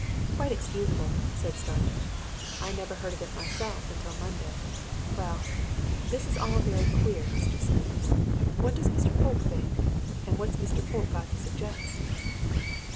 "Quite excusable," said Starmidge. "I never heard of it myself until Monday. Well this is all very queer, Mr. Simmons. What does Mr. Polke think? And what's Mr. Polke got to suggest!"